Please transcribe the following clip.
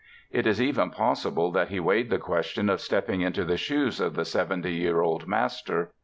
It is even possible that he weighed the question of stepping into the shoes of the seventy year old master.